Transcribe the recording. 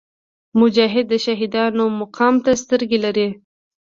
مجاهد د شهیدانو مقام ته سترګې لري.